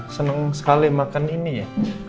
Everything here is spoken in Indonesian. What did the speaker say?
senang sekali makan ini ya